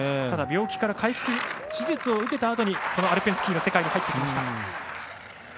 ただ手術を受けたあとアルペンスキーの世界に入ってきました。